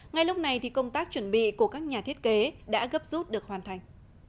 ngay lúc này thì công tác chuẩn bị của các nhà thiết kế đã gấp rút được hoàn thành